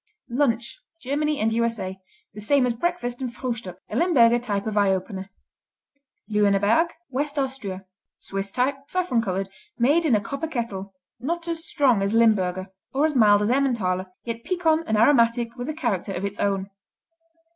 Lunch Germany and U.S.A. The same as Breakfast and Frühstück. A Limburger type of eye opener. Lüneberg West Austria Swiss type; saffron colored; made in a copper kettle; not as strong as Limburger, or as mild as Emmentaler, yet piquant and aromatic, with a character of its own.